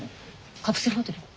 カプセルホテル？